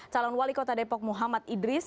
calon wali kota depok muhammad idris